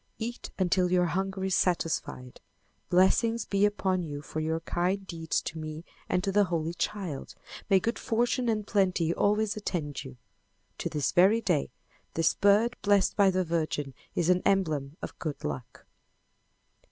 "Eat until your hunger is satisfied. Blessings be upon you for your kind deeds to me and to the Holy Child. May good fortune and plenty always attend you." To this very day this bird blessed by the Virgin is an emblem of good luck.